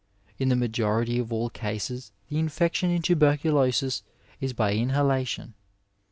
In the majority of all cases the infection in tuberculosis is by inhalation.